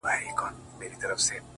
چي ورته ځېر سومه”